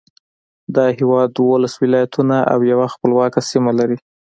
دا هېواد دولس ولایتونه او یوه خپلواکه سیمه لري.